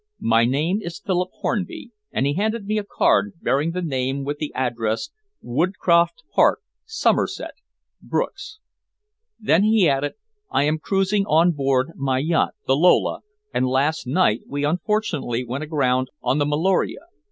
My name is Philip Hornby," and he handed me a card bearing the name with the addresses "Woodcroft Park, Somerset Brook's." Then he added: "I am cruising on board my yacht, the Lola, and last night we unfortunately went aground on the Meloria.